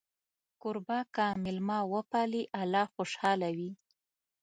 کوربه که میلمه وپالي، الله خوشحاله وي.